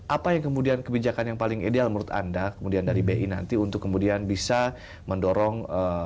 apa yang kemudian kebijakan yang paling ideal menurut anda kemudian dari bi nanti untuk kemudian bisa mendorong